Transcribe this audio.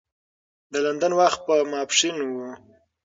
د لندن وخت په ماپښین و.